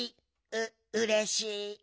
ううれしい。